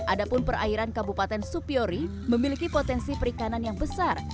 adapun perairan kabupaten supiori memiliki potensi perikanan yang besar